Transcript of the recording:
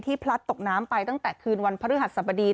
พลัดตกน้ำไปตั้งแต่คืนวันพระฤหัสสบดี